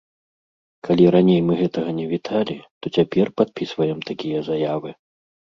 Калі раней мы гэтага не віталі, то цяпер падпісваем такія заявы.